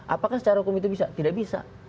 apakah secara hukum itu bisa tidak bisa